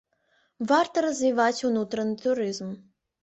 Варта развіваць унутраны турызм.